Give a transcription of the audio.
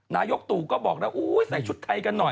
นายกตู่ก็บอกแล้วใส่ชุดไทยกันหน่อย